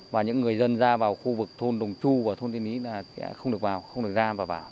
và những người dân ra vào khu vực thôn đồng chu và thôn tiên lý là sẽ không được vào không được ra và vào